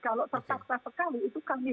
kalau serta serta sekali itu kami